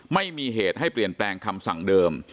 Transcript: ไม่มีเหตุให้เปลี่ยนแปลงคำสั่งเดิม